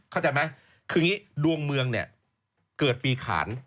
เข้าใจไหมคืออย่างนี้ดวงเมืองเนี่ยเกิดปีขาน